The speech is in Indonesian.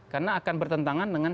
karena akan bertentangan dengan